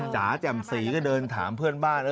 จ๋าจ่ำสีก็เดินถามเพื่อนบ้าน